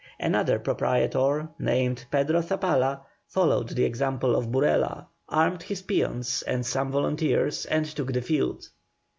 Another proprietor, named Pedro Zabala, followed the example of Burela, armed his peons and some volunteers and took the field.